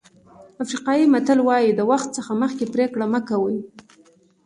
افریقایي متل وایي د وخت څخه مخکې پرېکړه مه کوئ.